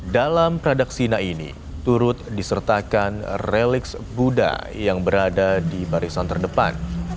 dalam pradaksina ini turut disertakan relix buddha yang berada di barisan terdepan